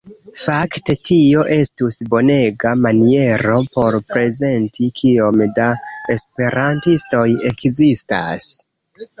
Fakte tio estus bonega maniero por prezenti kiom da esperantistoj ekzistas.